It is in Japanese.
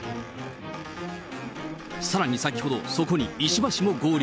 さらに先ほど、そこに石破氏も合流。